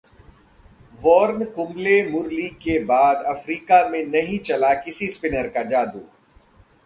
वॉर्न-कुंबले-मुरली के बाद अफ्रीका में नहीं चला किसी स्पिनर का जादू